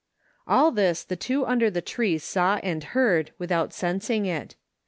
All this the two imder the tree saw and heard without sensing it.